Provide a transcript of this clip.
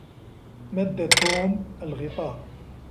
مد توم الغطاء.